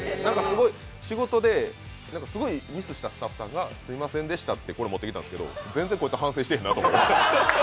仕事ですごいミスしたスタッフさんが、すいませんでしたってこれ持ってきたんですけど、全然こいつ反省してへんなと思って。